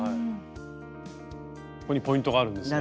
ここにポイントがあるんですね？